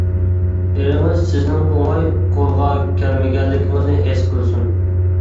ئېرىڭىز سىزنىڭ ئوڭاي قولغا كەلمىگەنلىكىڭىزنى ھېس قىلسۇن.